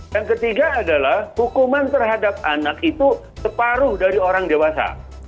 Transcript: yang ketiga adalah hukuman terhadap anak itu separuh dari orang dewasa